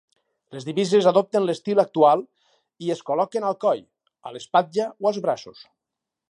Les divises adopten l'estil actual, i es col·loquen al coll, a l'espatlla o als braços.